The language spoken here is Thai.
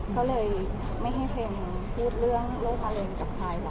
ก็เลยไม่ให้เพลงพูดเรื่องโรคมะเร็งกับใครหรอก